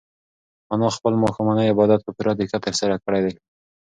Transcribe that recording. انا خپل ماښامنی عبادت په پوره دقت ترسره کړی و.